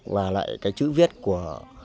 và lại cái chữ viết của